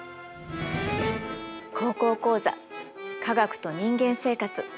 「高校講座科学と人間生活」。